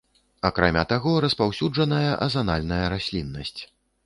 Акрамя таго, распаўсюджаная азанальная расліннасць.